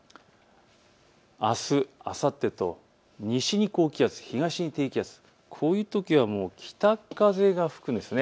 あす、あさってと西に高気圧、東に低気圧、こういうときは北風が吹くんです。